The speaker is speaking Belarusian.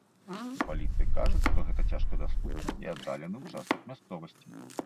У паліцыі кажуць, што гэта цяжкадаступны і аддалены ўчастак мясцовасці.